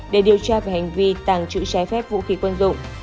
để điều tra về hành vi tàng trữ trái phép vũ khí quân dụng